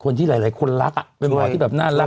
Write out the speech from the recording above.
คนที่หลายคนรักเป็นหมอที่แบบน่ารัก